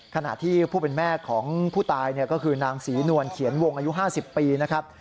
ขณะที่ผู้เป็นแม่ของผู้ตายก็คือนางศรีนวลเขียนวงอายุ๕๐ปีนะครับ